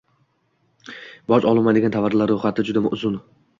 Boj olinmaydigan tovarlar ro'yxati juda uzun